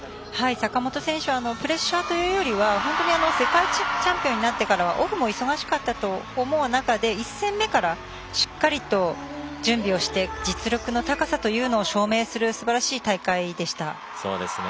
坂本選手はプレッシャーというより世界チャンピオンになってからオフも忙しかったという中で１戦目からしっかりと準備をして実力の高さというのを証明するすばらしい大会でした。